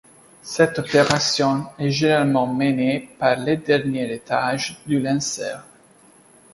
Cette opération est généralement menée par le dernier étage du lanceur.